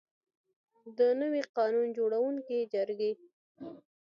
د نوي قانون جوړوونکي جرګې.